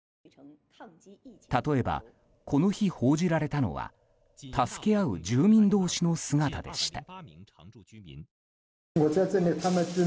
例えばこの日、報じられたのは助け合う住民同士の姿でした。